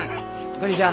こんにちは。